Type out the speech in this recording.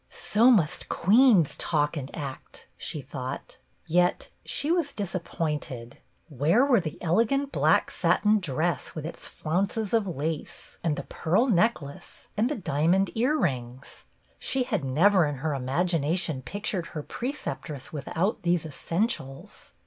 "So must queens talk and act," she thought. Yet she was disappointed. Where were the elegant black satin dress with its flounces of lace, and the pearl necklace, and the diamond earrings ? She had never in her imagination pictured her preceptress without these essentials.